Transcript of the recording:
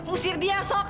usir dia sok